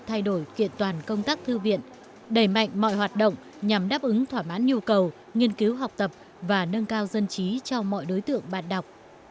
thay đổi kiện toàn công tác thư viện đẩy mạnh mọi hoạt động nhằm đáp ứng thỏa mãn nhu cầu nghiên cứu học tập và nâng cao dân trí cho mọi đối tượng bạn đọc